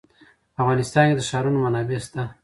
په افغانستان کې د ښارونه منابع شته.